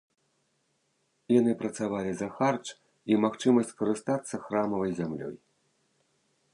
Яны працавалі за харч і магчымасць карыстацца храмавай зямлёй.